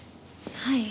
はい。